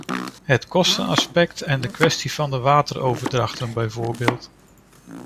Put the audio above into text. Het kostenaspect en de kwestie van de wateroverdrachten, bijvoorbeeld.